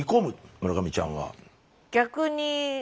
村上ちゃんは？